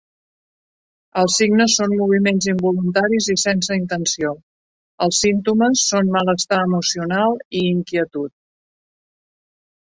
Els signes són moviments involuntaris i sense intenció; els símptomes són malestar emocional i inquietud.